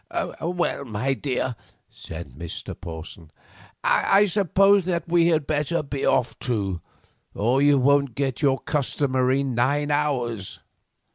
"Well, my dear," said Mr. Porson, "I suppose that we had better be off too, or you won't get your customary nine hours."